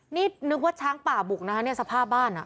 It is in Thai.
นี่นึกว่าช้างป่าบุกนะครับสภาพบ้าน